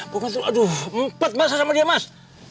bukan aduh empat masa sama dia mas